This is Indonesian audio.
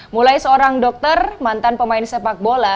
mulai seorang dokter mantan pemain sepak bola